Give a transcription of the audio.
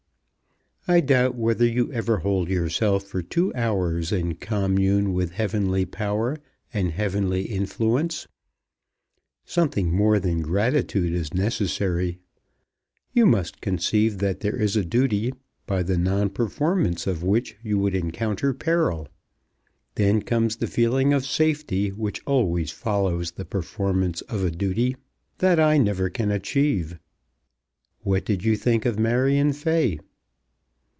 "I doubt whether you ever hold yourself for two hours in commune with heavenly power and heavenly influence. Something more than gratitude is necessary. You must conceive that there is a duty, by the non performance of which you would encounter peril. Then comes the feeling of safety which always follows the performance of a duty. That I never can achieve. What did you think of Marion Fay?"